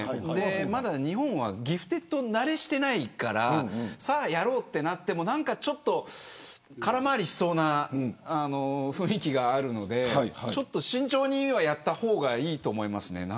まだ日本はギフテッド慣れしてないからさあ、やろうとなってもちょっと空回りしそうな雰囲気があるので、慎重にはやった方がいいと思います。